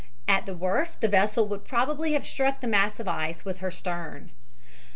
At the worst the vessel would probably have struck the mass of ice with her stern.